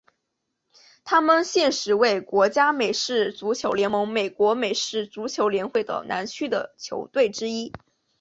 他们现时为国家美式足球联盟美国美式足球联会的南区的球队之一。